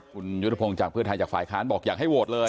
คุณยุทธพงศ์จากเพื่อไทยจากฝ่ายค้านบอกอยากให้โหวตเลย